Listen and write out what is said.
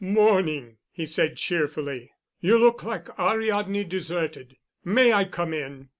"Morning!" he said, cheerfully. "You look like Ariadne deserted. May I come in?"